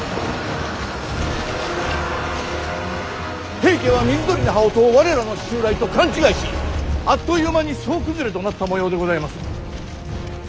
平家は水鳥の羽音を我らの襲来と勘違いしあっという間に総崩れとなったもようでございます。